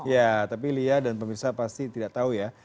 ya tapi lia dan pemirsa pasti tidak tahu ya